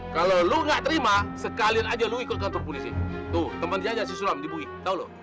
kalau lo gak terima sekalian aja lo ikut kantor polisi tuh teman diajak si sulam dibui tau lo